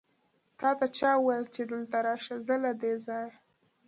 تاته چا وويل چې دلته راشه؟ ځه له دې ځايه!